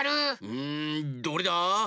うんどれだ？